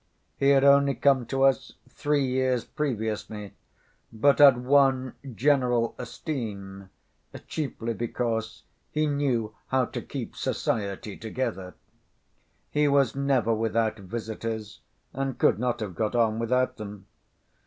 He had only come to us three years previously, but had won general esteem, chiefly because he "knew how to keep society together." He was never without visitors, and could not have got on without them.